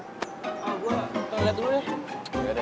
kita lihat dulu deh